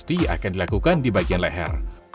kambing yang terlatih akan dilakukan di bagian leher